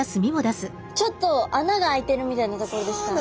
ちょっと穴が開いてるみたいな所ですか？